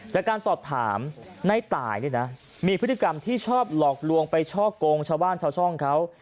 จากการสอบถามในตายเนี่ยนะมีพฤติกรรมที่ชอบหลอกลวงไปช่อกงชาวบ้านชาวช่องเขา